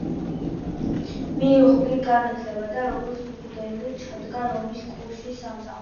მიიღო იურიდიული განათლება და როგორც მღვდელი ჩადგა რომის კურიის სამსახურში.